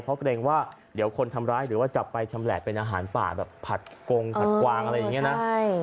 เพราะเกรงว่าเดี๋ยวคนทำร้ายหรือว่าจะไปชำแหละเป็นอาหารป่าแบบผัดกงผัดกวางอะไรอย่างนี้นะ